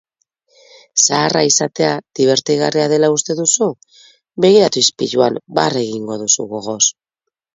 Zaharra izatea dibertigarria dela uste duzu? Begiratu ispiluan, barre egingo duzu gogoz.